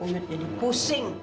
uyut jadi pusing